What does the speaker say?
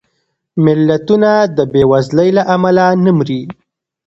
ملتونه د بېوزلۍ له امله نه مري